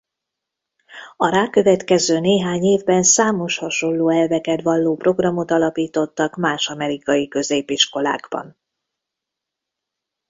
A rákövetkező néhány évben számos hasonló elveket valló programot alapítottak más amerikai középiskolákban.